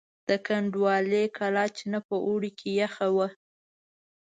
د کنډوالې کلا چینه په اوړي کې یخه وه.